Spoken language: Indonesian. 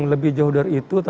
lebih jauh dari itu